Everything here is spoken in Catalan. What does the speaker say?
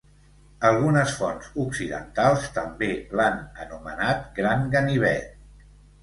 Algunes fonts occidentals també l'han anomenat "gran ganivet".